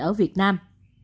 ở việt nam